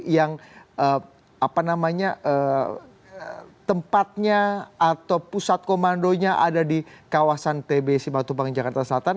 yang apa namanya tempatnya atau pusat komandonya ada di kawasan tbsi matubang jakarta selatan